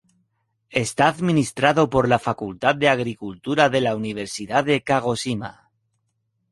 Está administrado por la Facultad de Agricultura de la Universidad de Kagoshima.